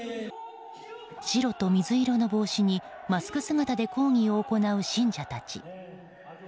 白と水色の帽子にマスク姿で抗議を行う信者たち。